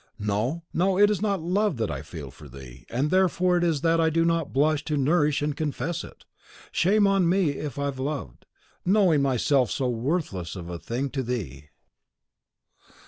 No, no; it is not love that I feel for thee, and therefore it is that I do not blush to nourish and confess it. Shame on me if I loved, knowing myself so worthless a thing to thee!